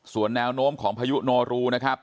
ส่วนแนวโน้มของพายุโนรูนะครับ